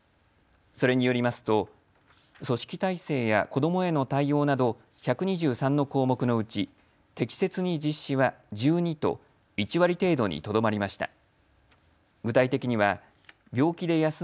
それによりますと組織体制や子どもへの対応など１２３の項目のうち適切に実施は１２と１割程度にとどまりました。